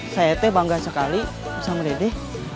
saya teh bangga sekali bersama dede